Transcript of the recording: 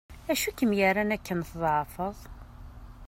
Acu i kem-yerran akken tḍeεfeḍ?